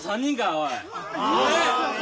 おい。